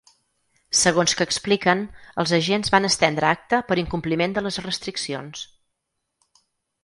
Segons que expliquen, els agents van estendre acta per incompliment de les restriccions.